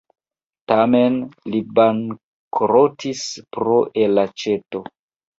Tamen li bankrotis pro elaĉeto.